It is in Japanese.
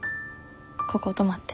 ここ泊まって。